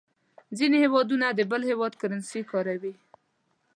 ځینې هېوادونه د بل هېواد کرنسي کاروي.